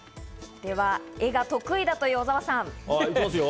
では、絵が得意だという小澤さん。